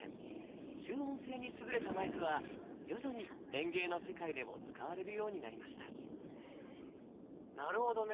集音性に優れたマイクは徐々に演芸の世界でも使われるようになりましたなるほどね。